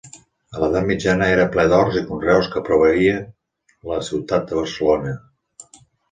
A l'edat mitjana era ple d'horts i conreus que proveïen la ciutat de Barcelona.